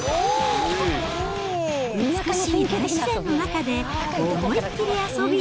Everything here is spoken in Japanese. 美しい大自然の中で、思いっ切り遊び。